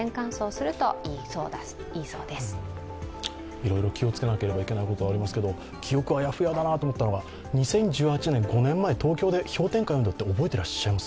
いろいろ気をつけなければいけないことありますけど記憶はあやふやだなと思ったのは２０１８年、東京で氷点下４度って覚えてらっしゃいます？